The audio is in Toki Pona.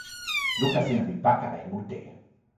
luka sina li pakala e mute.